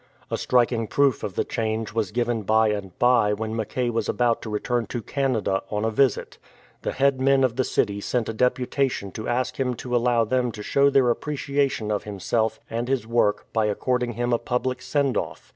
A striking proof of the change was given by and by when Mackay was about to return to Canada on a visit. The head men of the city sent a deputation to ask him to allow them to show their appreciation of himself and his work by according him a public send ofF.